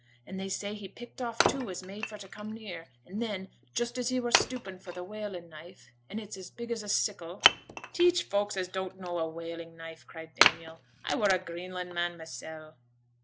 An' they say he picked two off as made for t' come near, and then, just as he were stooping for t' whaling knife, an' it's as big as a sickle ' 'Teach folk as don't know a whaling knife,' cried Daniel. 'I were a Greenland man mysel'.'